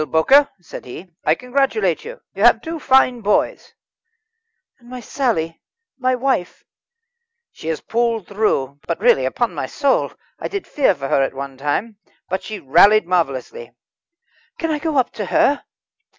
"Well, Bowker," said he, "I congratulate you; you have two fine boys." "And my Sally my wife?" "She has pulled through. But really, upon my soul, I did fear for her at one time. But she rallied marvellously." "Can I go up to her?"